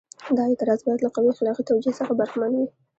دا اعتراض باید له قوي اخلاقي توجیه څخه برخمن وي.